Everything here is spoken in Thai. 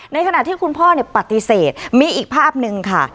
ในขณะที่คุณพ่อปฏิเสธมีอีกภาพหนึ่งค่ะ